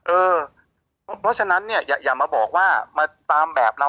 เพราะฉะนั้นเนี่ยอย่ามาบอกว่ามาตามแบบเรา